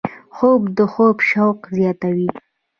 خوب د خوب شوق زیاتوي